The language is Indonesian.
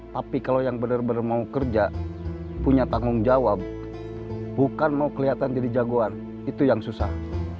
tapi kalau yang benar benar mau kerja punya tanggung jawab bukan mau kelihatan jadi jagoan itu yang susah